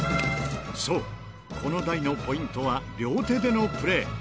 そうこの台のポイントは両手でのプレー。